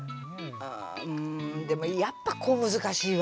あうんでもやっぱ小難しいわ。